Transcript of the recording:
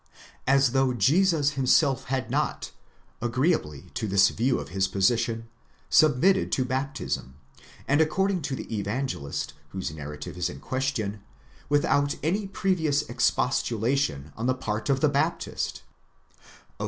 As though Jesus himself had not, agreeably to this view of his position, submitted to baptism, and according to the Evangelist whose narrative is in question, without any previous expostulation on the part of the 5 Thus E, F.